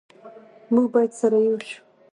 موږ باید سره ېو شو